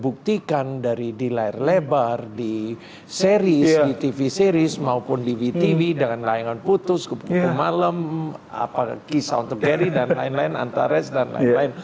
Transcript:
buktikan dari di layar lebar di series di tv series maupun di btv dengan layangan putus malam kisah untuk gary dan lain lain antares dan lain lain